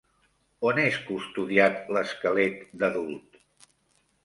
On és custodiat l'esquelet d'adult?